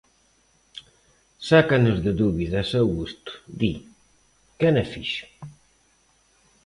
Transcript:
Sácanos de dúbidas, Augusto, di: ¿quen a fixo?